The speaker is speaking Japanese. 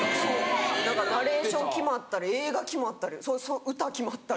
ナレーション決まったり映画決まったり歌決まったり。